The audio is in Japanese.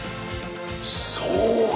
そうか！